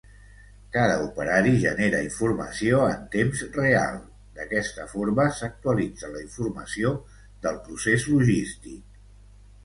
Cada operari genera informació en temps real, d’aquesta forma s’actualitza la informació del procés logístic.